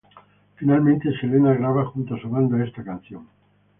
Finalmente, Selena graba junto a su banda esta canción.